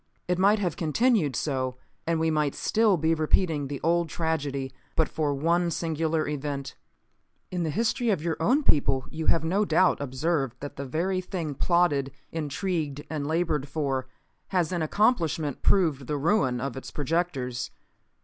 It might have continued so; and we might still be repeating the old tragedy but for one singular event. In the history of your own people you have no doubt observed that the very thing plotted, intrigued and labored for, has in accomplishment proved the ruin of its projectors.